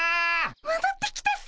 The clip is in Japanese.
もどってきたっピ。